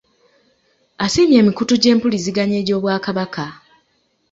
Asiimye emikutu gy'empuliziganya egy'Obwakabaka